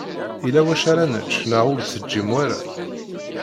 Yella wacu ara nečč neɣ ur d-teǧǧim wara?